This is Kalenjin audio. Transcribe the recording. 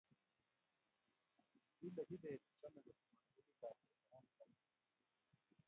kile kibet chome kosomani kutitab kifaransaik